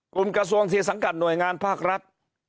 กระทรวงที่สังกัดหน่วยงานภาครัฐ